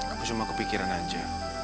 aku cuma kepikiran aja